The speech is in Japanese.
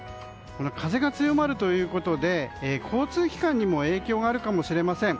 風が強まるということで交通機関にも影響があるかもしれません。